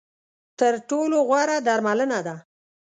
تر ټولو غوره درملنه ده .